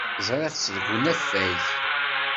Ẓriɣ-tt deg unafag.